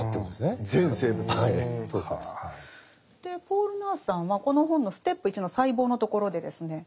ポール・ナースさんはこの本のステップ１の細胞のところでですね